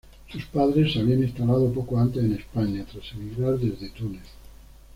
Sus padres se habían instalado poco antes en España tras emigrar desde Túnez.